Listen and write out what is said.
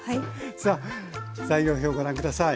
さあ材料表ご覧下さい。